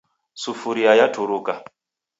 Sufuria yaturuka.